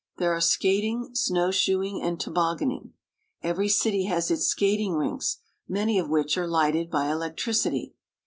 There are skating, snow shoeing, and tobogganing. Every city has its skating rinks, many of which are Hghted by electricity.